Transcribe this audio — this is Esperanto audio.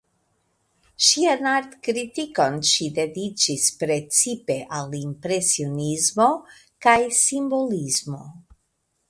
Ŝian artkritikon ŝi dediĉis precipe al impresionismo kaj simbolismo.